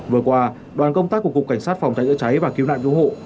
vừa qua đoàn công tác của cục cảnh sát phòng cháy chữa cháy và cứu nạn cứu hộ